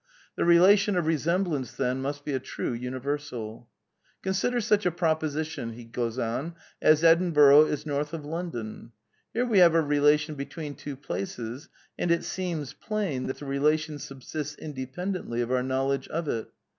The relation of resemblance, then, must be a true imiver Sox* .••^^ Consider such a proposition as Edinburgh is north of Lon don. Here we have a relation between two places, and it seems plain that the relation subsists independently of our knowledge of it.